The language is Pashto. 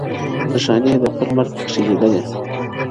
نښانې یې د خپل مرګ پکښي لیدلي -